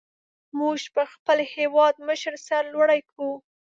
موږ پر خپل هېوادمشر سر لوړي کو.